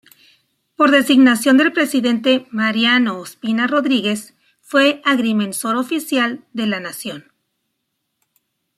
Por designación del presidente Mariano Ospina Rodríguez fue agrimensor oficial de la nación.